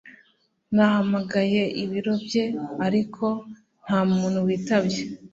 Nahamagaye ibiro bye ariko nta muntu witabye